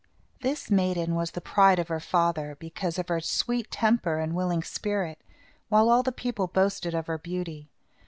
This maiden was the pride of her father, because of her sweet temper and willing spirit, while all the people boasted of her beauty.